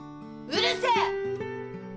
うるせえ！